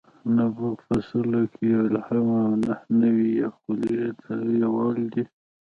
نبوغ په سلو کې یو الهام او نهه نوي یې خولې تویول دي.